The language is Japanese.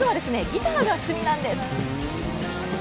ギターが趣味なんです。